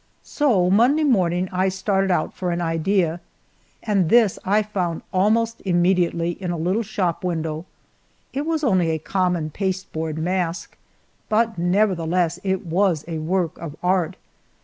So Monday morning I started out for an idea, and this I found almost immediately in a little shop window. It was only a common pasteboard mask, but nevertheless it was a work of art.